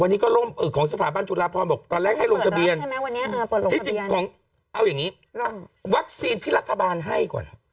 วันนี้ก็ล่มของสถาบันจุฬาพรบอกตอนแรกให้ลงทะเบียนเอาอย่างนี้วัคซีนที่รัฐบาลให้ก่อน